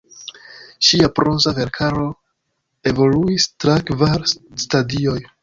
Ŝia proza verkaro evoluis tra kvar stadioj.